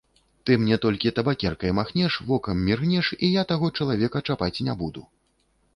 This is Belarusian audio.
Ты мне толькі табакеркай махнеш, вокам міргнеш, і я таго чалавека чапаць не буду.